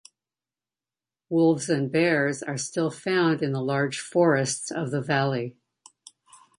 Wolves and bears are still found in the large forests of the valley.